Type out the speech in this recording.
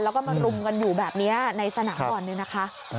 แล้วก็มารุมกันอยู่แบบนี้ในสนามบอลเนี่ยนะคะ